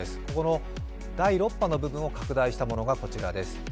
ここの第６波の部分を拡大したものがこちらです。